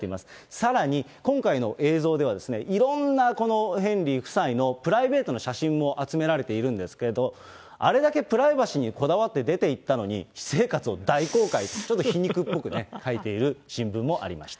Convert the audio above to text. さらに、今回の映像では、いろんなヘンリー夫妻のプライベートの写真も集められているんですけど、あれだけプライバシーにこだわって出ていったのに、私生活を大公開、ちょっと皮肉っぽく書いている新聞もありました。